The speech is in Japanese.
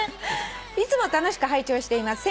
「いつも楽しく拝聴しています」